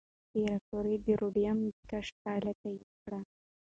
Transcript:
پېیر کوري د راډیوم د کشف پایله تایید کړه.